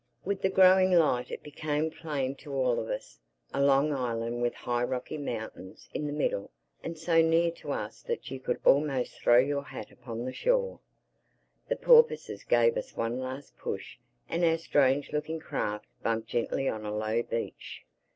With the growing light it became plain to all of us: a long island with high rocky mountains in the middle—and so near to us that you could almost throw your hat upon the shore. The porpoises gave us one last push and our strange looking craft bumped gently on a low beach.